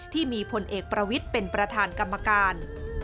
ที่มีพลเอกประวิทย์เป็นประธานกรรมการ